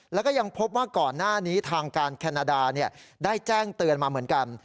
แล้วก็ยังพบว่าก่อนหน้านี้ทางการแคนาดาได้แจ้งเตือนมาเหมือนกัน